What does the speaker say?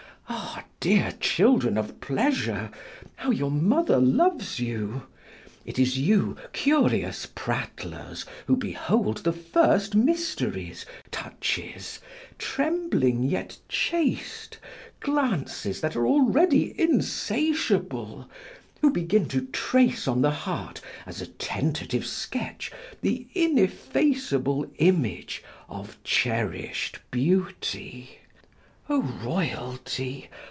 Ah! dear children of pleasure, how your mother loves you! It is you, curious prattlers, who behold the first mysteries, touches, trembling yet chaste, glances that are already insatiable, who begin to trace on the heart, as a tentative sketch, the ineffaceable image of cherished beauty! O royalty!